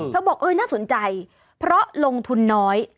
บอกน่าสนใจเพราะลงทุนน้อย